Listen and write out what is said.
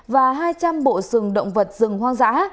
và hai trăm linh bộ sừng động vật rừng hoang dã